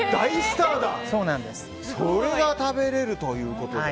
それが食べれるということで。